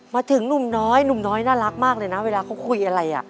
มาถึงหนุ่มน้อยหนุ่มน้อยน่ารักมากเลยนะเวลาเขาคุยอะไร